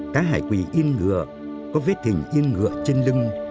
cá hải quỷ yên ngựa có vết hình yên ngựa trên lưng